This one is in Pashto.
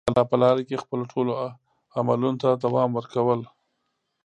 د الله په لاره کې خپلو ټولو عملونو ته دوام ورکول.